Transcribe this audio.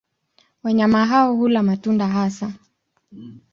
Wanyama hao hula matunda hasa.